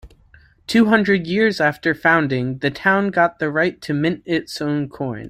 Two hundred years after founding, the town got the right to mint its own coin.